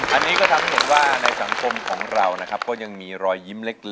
อันนี้ถึงว่าในสังคมในเร็วของเราก็มีรอย๋ยิ้มเล็ก